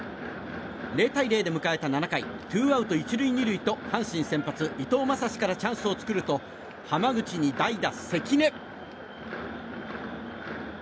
０対０で迎えた７回ツーアウト１塁２塁と阪神、先発、伊藤将司からチャンスを作ると濱口に代打、関根。